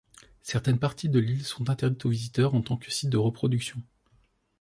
Certaines parties de l'île sont interdites aux visiteurs en tant que site de reproduction.